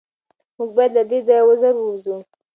موږ باید له دې ځایه زر ووځو.